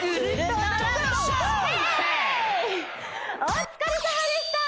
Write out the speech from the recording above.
お疲れさまでした！